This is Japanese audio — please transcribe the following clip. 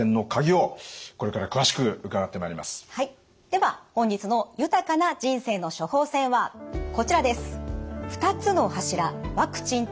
では本日の「豊かな人生の処方せん」はこちらです。